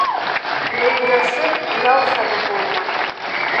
Менгәшеп яу сабып булмай.